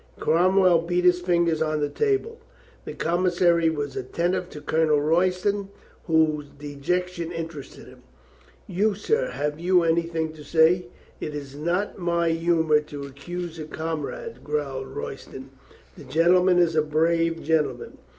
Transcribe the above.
Cromwell beat his fingers on the table. The com missary was attentive to Colonel Royston, whose de jection interested him: "You, sir, have you any thing to say?" "It is not my humor to accuse a comrade," growled Royston. "The gentleman is a brave gen tleman."